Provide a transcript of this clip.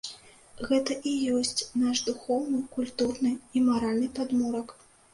Гэта і ёсць наш духоўны, культурны і маральны падмурак.